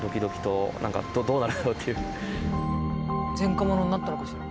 前科者になったのかしら？